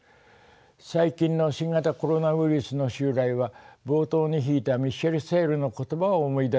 最近の新型コロナウイルスの襲来は冒頭に引いたミシェル・セールの言葉を思い出させるものであります。